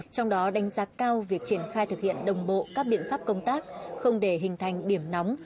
trong đó đánh giá cao việc triển khai thực hiện đồng bộ các biện pháp công tác không để hình thành điểm nóng